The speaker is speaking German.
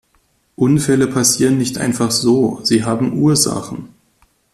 Unfälle passieren nicht einfach so, sie haben Ursachen.